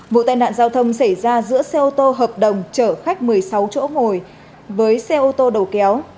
vụ tai nạn giao thông xảy ra giữa xe ô tô hợp đồng chở khách một mươi sáu chỗ ngồi với xe ô tô đầu kéo